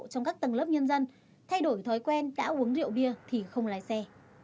trong các tầng lớp nhân dân thay đổi thói quen đã uống rượu bia thì không lái xe